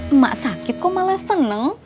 emak sakit kok malah seneng